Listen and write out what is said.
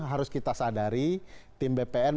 harus kita sadari tim bpn